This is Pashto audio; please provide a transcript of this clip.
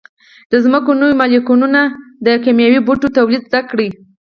د ځمکو نویو مالکینو د کیمیاوي بوټو تولید زده کړ.